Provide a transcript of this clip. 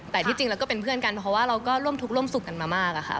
แต่ที่จริงแล้วก็เป็นเพื่อนกันเพราะว่าเราก็ร่วมทุกข์ร่วมสุขกันมามากอะค่ะ